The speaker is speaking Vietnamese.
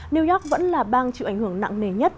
new york vẫn là bang chịu ảnh hưởng nặng nề nhất